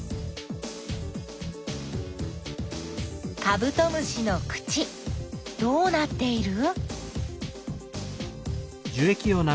カブトムシの口どうなっている？